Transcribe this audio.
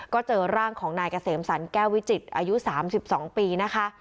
ก็เจอร่างของนายเกษมสรรแก้ววิจิตรอายุ๓๒ปีนะคะ